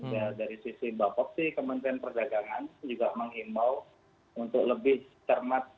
ya dari sisi bapak sih kementerian perdagangan juga menghimbau untuk lebih cermat